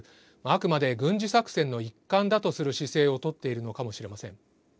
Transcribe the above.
あくまで軍事作戦の一環だとする姿勢を取っているのかもしれません。